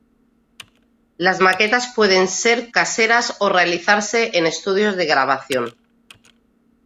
Las maquetas pueden ser caseras o realizarse en estudios de grabación.